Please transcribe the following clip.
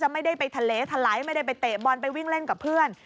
ไม่ได้ไปเตะบอลไปวิ่งเล่นกับเพื่อน